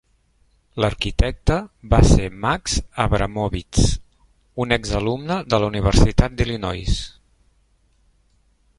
L'arquitecte va ser Max Abramovitz, un exalumne de la Universitat d'Illinois.